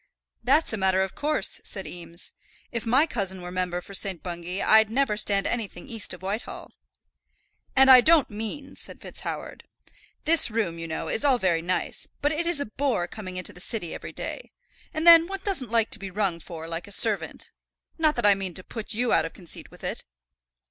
"That's a matter of course," said Eames. "If my cousin were Member for St. Bungay, I'd never stand anything east of Whitehall." "And I don't mean," said FitzHoward. "This room, you know, is all very nice; but it is a bore coming into the City every day. And then one doesn't like to be rung for like a servant. Not that I mean to put you out of conceit with it."